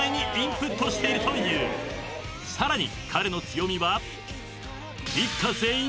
［さらに彼の強みは］